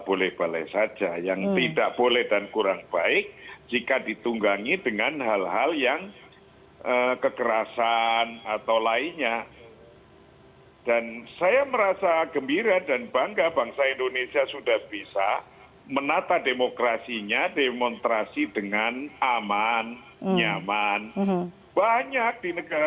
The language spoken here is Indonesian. selain itu presiden judicial review ke mahkamah konstitusi juga masih menjadi pilihan pp muhammadiyah